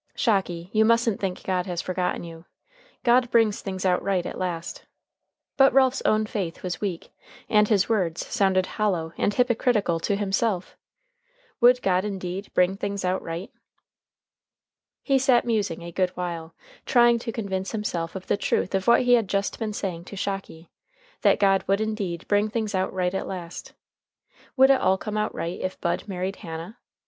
"Shocky, you mustn't think God has forgotten you. God brings things out right at last." But Ralph's own faith was weak, and his words sounded hollow and hypocritical to himself. Would God indeed bring things out right? He sat musing a good while, trying to convince himself of the truth of what he had just been saying to Shocky that God would indeed bring things out right at last. Would it all come out right if Bud married Hannah?